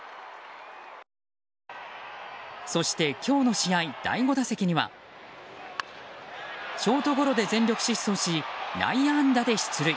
そして、今日の試合第５打席にはショートゴロで全力疾走し内野安打で出塁。